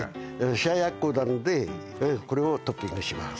冷奴なのでこれをトッピングします